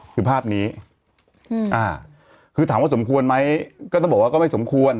คือภาพนี้คือถามว่าสมควรไหมก็ต้องบอกว่าก็ไม่สมควร